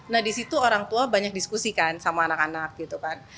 nah disitu orang tua banyak diskusikan sama anak anak gitu kan